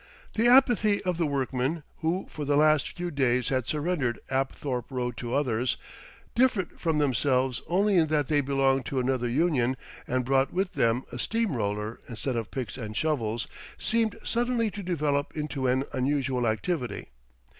The apathy of the workmen who for the last few days had surrendered Apthorpe Road to others, different from themselves only in that they belonged to another union and brought with them a steam roller instead of picks and shovels, seemed suddenly to develop into an unusual activity.